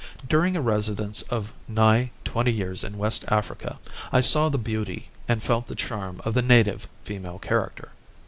During a residence of nigh twenty years in West Africa, I saw the beauty and felt the charm of the native female character.